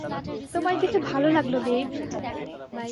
তোমায় দেখে ভালো লাগল, বেইব।